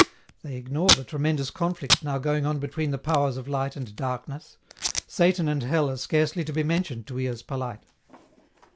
They ignore the tremendous conflict now going on between the powers of Light and Darkness ; Satan and Hell are scarcely to be mentioned to ears polite.